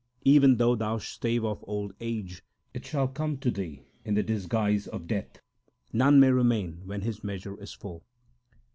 Even though thou stave off old age, it shall come to thee in the disguise of death. None may remain when his measure is full.